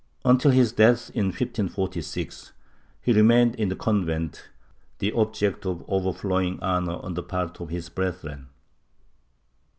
Until his death, in 1546, he remained in the convent, the object of over flowing honor on the part of his brethren.